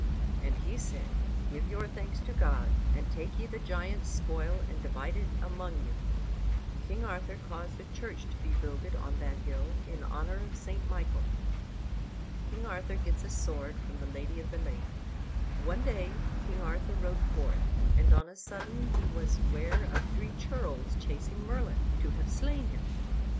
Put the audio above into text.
And he said, "Give your thanks to God; and take ye the giant's spoil and divide it among you." And King Arthur caused a church to be builded on that hill, in honor of St. Michael. KING ARTHUR GETS A SWORD FROM THE LADY OF THE LAKE One day King Arthur rode forth, and on a sudden he was ware of three churls chasing Merlin, to have slain him.